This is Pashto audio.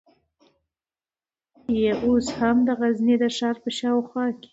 یې اوس هم د غزني د ښار په شاوخوا